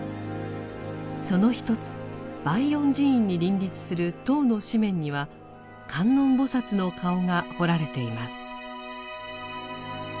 その一つバイヨン寺院に林立する塔の四面には観音菩の顔が彫られています。